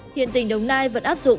hiện tỉnh đồng nai vẫn áp dụng